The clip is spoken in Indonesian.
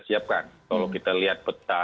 siapkan kalau kita lihat peta